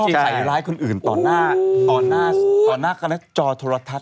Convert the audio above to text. ใครร้ายคนอื่นต่อหน้ากาลทัด